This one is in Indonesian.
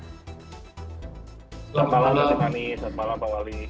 selamat malam pak wali